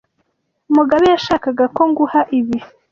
Mugabe yashakaga ko nguha ibi.